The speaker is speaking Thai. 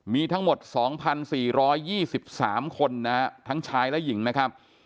มีทั้งหมด๒๔๒๓คนนะฮะทั้งชายและหญิงนะครับ